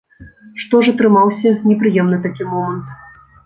Што ж атрымаўся непрыемны такі момант.